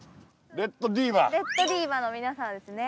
レッドディーバの皆さんですね。